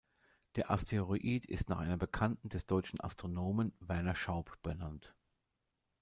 Der Asteroid ist nach einer Bekannten des deutschen Astronomen Werner Schaub benannt.